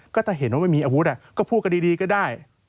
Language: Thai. ก็ถ้าเห็นว่าไม่มีอาวุธก็พูดกันดีก็ได้